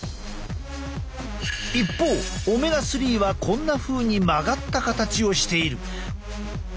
一方オメガ３はこんなふうに曲がった形をしている。